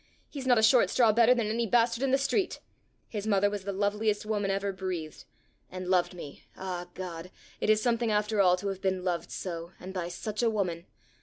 He's not a short straw better than any bastard in the street! His mother was the loveliest woman ever breathed! and loved me ah, God! it is something after all to have been loved so and by such a woman!